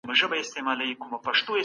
ما خپله پروژه په سمه توګه خلاصه کړه.